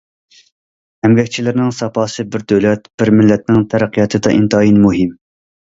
ئەمگەكچىلەرنىڭ ساپاسى بىر دۆلەت، بىر مىللەتنىڭ تەرەققىياتىدا ئىنتايىن مۇھىم.